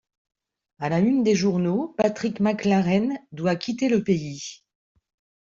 À la une des journaux, Patrick McLaren doit quitter le pays.